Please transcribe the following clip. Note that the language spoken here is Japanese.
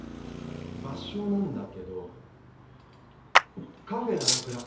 場所なんだけどカフェナガクラ。